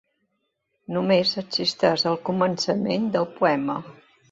Només existeix el començament del poema.